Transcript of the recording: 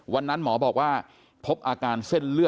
พี่สาวของเธอบอกว่ามันเกิดอะไรขึ้นกับพี่สาวของเธอ